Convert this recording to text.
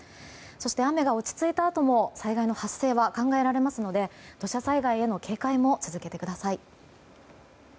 そして雨が落ち着いたあとも災害の発生は考えられますので土砂災害への警戒も続けてください。